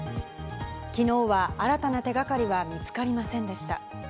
昨日は新たな手がかりは見つかりませんでした。